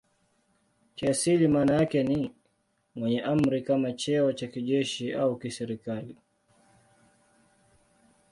Kiasili maana yake ni "mwenye amri" kama cheo cha kijeshi au kiserikali.